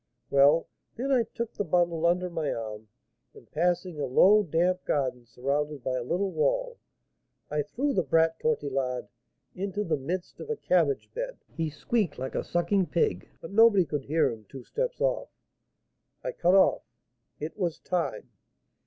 Well, then I took the bundle under my arm, and passing a low, damp garden, surrounded by a little wall, I threw the brat Tortillard into the midst of a cabbage bed. He squeaked like a sucking pig, but nobody could hear him two steps off. I cut off; it was time.